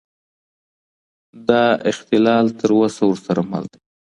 دا اختلال تر اوسه ورسره مل دی.